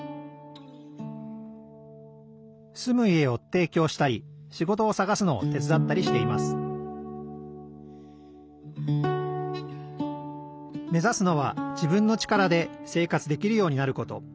住む家をていきょうしたり仕事をさがすのを手伝ったりしています目指すのは自分の力で生活できるようになること。